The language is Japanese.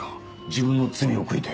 自分の罪を悔いて。